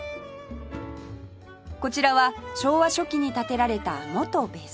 こちらは昭和初期に建てられた元別荘